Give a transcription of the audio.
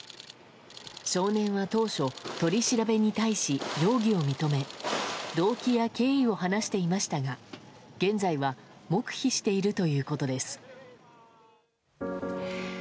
少年は当初取り調べに対し、容疑を認め動機や経緯を話していましたが現在は黙秘しているということです。